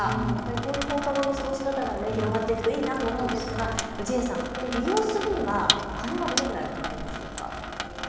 こういう放課後の過ごし方が広がっていくといいなと思うんですが、これ、利用するにはお金はどれぐらいかかるんでしょうか。